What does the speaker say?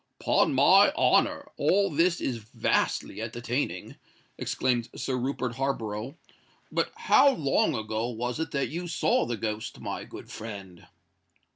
"'Pon my honour, all this is vastly entertaining!" exclaimed Sir Rupert Harborough. "But how long ago was it that you saw the ghost, my good friend?"